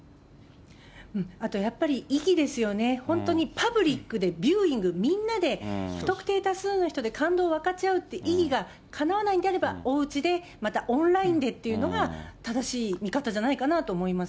あとやっぱり意義ですよね、本当にパブリックでビューイング、みんなで、不特定多数の人で感動を分かち合うという意義がかなわないんであれば、おうちで、またオンラインでっていうのが、正しい見方じゃないかなと思います。